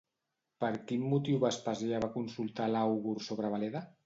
Per quin motiu Vespasià va consultar a l'àugur sobre Veleda?